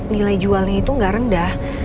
nilai jualnya itu nggak rendah